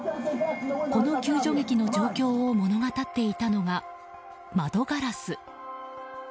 この救助劇の状況を物語っていたのが窓ガラス。